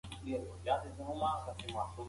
ته ویده شه زه به درته ګورم.